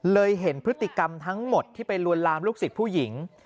เห็นพฤติกรรมทั้งหมดที่ไปลวนลามลูกศิษย์ผู้หญิง